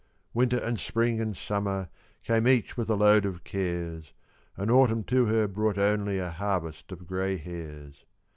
Winter and spring and summer Came each with a load of cares; And autumn to her brought only A harvest of grey hairs.